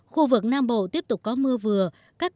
khu vực nam bộ tiếp tục có mưa vừa